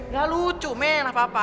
gak lucu main apa apa